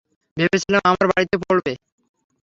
ভেবেছিলাম আমার বাড়িতে পড়বে।